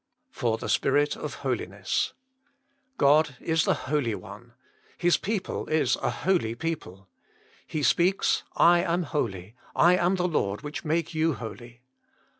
|F0r iljc Spirit of fjolinrss God is the Holy One. His people is a holy people. He speaks : I am holy: I am the Lord which make you holy.